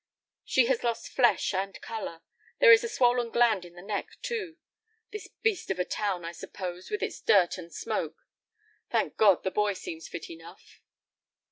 "She has lost flesh and color. There is a swollen gland in the neck, too. This beast of a town, I suppose, with its dirt and smoke. Thank God, the boy seems fit enough."